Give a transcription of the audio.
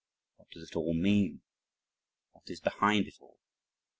What does it all mean? What is behind it all?